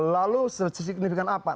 lalu signifikan apa